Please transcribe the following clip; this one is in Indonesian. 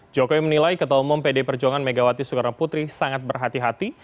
jokowi menilai ketua umum pd perjuangan megawati soekarno putri sangat berhati hati